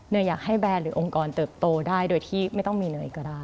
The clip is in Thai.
อยากให้แบรนด์หรือองค์กรเติบโตได้โดยที่ไม่ต้องมีเนยก็ได้